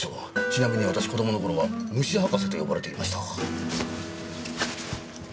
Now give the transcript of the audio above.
ちなみに私子供の頃は虫博士と呼ばれていました。